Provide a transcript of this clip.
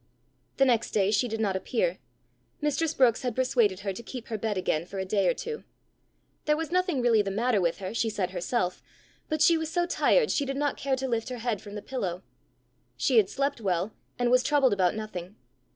The next day she did not appear: mistress Brookes had persuaded her to keep her bed again for a day or two. There was nothing really the matter with her, she said herself, but she was so tired she did not care to lift her head from the pillow. She had slept well, and was troubled about nothing.